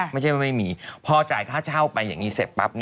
ไม่ใช่ว่าไม่มีพอจ่ายค่าเช่าไปอย่างนี้เสร็จปั๊บ